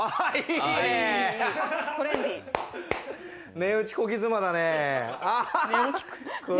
値打ちこき妻だね。